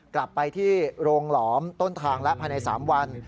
กลับไปที่โรงหลอมต้นทางและภายใน๓วัน